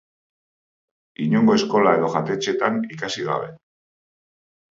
Inongo eskola edo jatetxetan ikasi gabe.